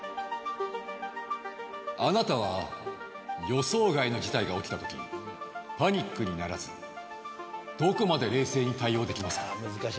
あなたは予想外の事態が起きた時パニックにならずどこまで冷静に対応できますか？